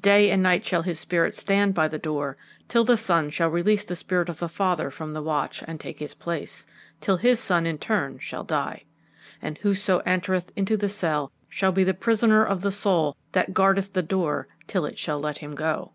Day and night shall his spirit stand by the door, to keep the door closed till the son shall release the spirit of the father from the watch and take his place, till his son in turn shall die. And whoso entereth into the cell shall be the prisoner of the soul that guardeth the door till it shall let him go."